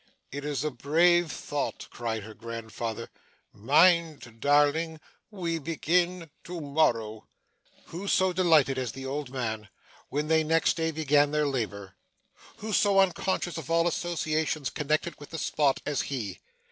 'It is a brave thought!' cried her grandfather. 'Mind, darling we begin to morrow!' Who so delighted as the old man, when they next day began their labour! Who so unconscious of all associations connected with the spot, as he!